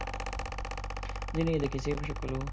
ځينې يې د کيسې په شکل وو.